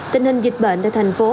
tình hình dịch bệnh tại thành phố